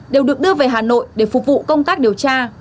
đều được đưa về hà nội để phục vụ công tác điều tra